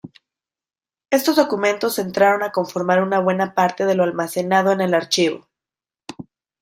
Estos documentos entraron a conformar una buena parte de lo almacenado en el archivo.